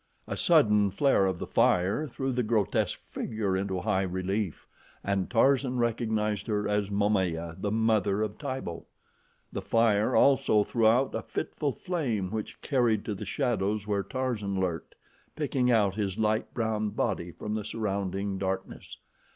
A sudden flare of the fire threw the grotesque figure into high relief, and Tarzan recognized her as Momaya, the mother of Tibo. The fire also threw out a fitful flame which carried to the shadows where Tarzan lurked, picking out his light brown body from the surrounding darkness.